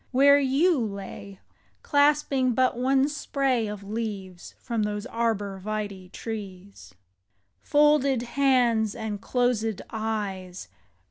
where you lay, Clasping but one spray of leaves From those arbor vitse trees. Folded hands and closed eyes.